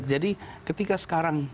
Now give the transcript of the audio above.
jadi ketika sekarang